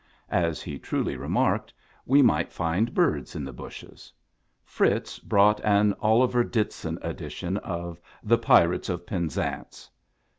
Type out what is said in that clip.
As he truly re marked, we might find birds in the bushes. Fritz brought an Oliver Ditson edition of " The Pirates of Penzance."